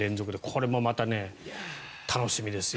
これもまた楽しみですね。